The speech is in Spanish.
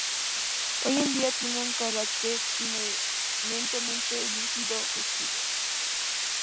Hoy en día tienen un carácter eminentemente lúdico-festivo.